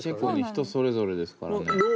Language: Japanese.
人それぞれですからね。